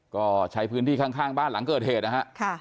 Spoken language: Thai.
ก็ใช้พื้นที่ข้างบ้านหลังเกิดเหตุนะฮะ